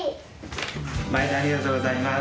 まいどありがとうございます。